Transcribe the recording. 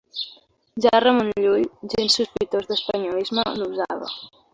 Ja Ramon Llull, gens sospitós d'espanyolisme, l'usava.